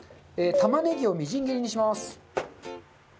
玉ねぎをみじん切りにします。